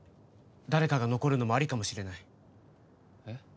誰かが残るのもありかもしれないえっ？